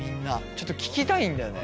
ちょっと聞きたいんだよね。